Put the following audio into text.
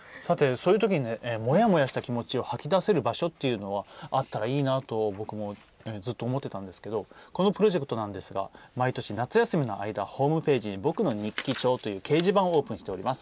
そういうときにもやもやした気持ちを吐き出せる場所があったらいいなと僕もずっと思ってたんですけどこのプロジェクトなんですが毎年、夏休みの間ホームページに「ぼくの日記帳」という掲示板をオープンしております。